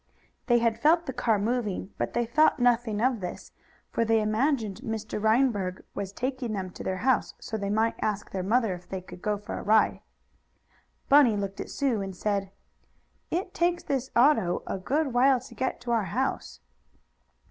They had felt the car moving, but they thought nothing of this, for they imagined Mr. Reinberg was taking them to their house so they might ask their mother if they could go for a ride. Bunny looked at Sue and said: "It takes this auto a good while to get to our house."